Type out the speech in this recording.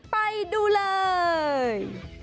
ไปดูเลย